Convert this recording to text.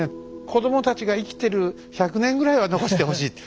「こどもたちが生きてる１００年ぐらいは残してほしい」って。